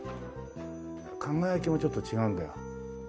輝きもちょっと違うんだよ。